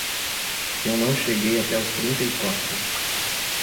Eu não cheguei até os trinta e quatro.